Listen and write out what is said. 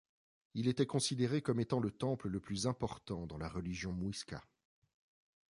Il était considéré comme étant le temple le plus important dans la religion Muisca.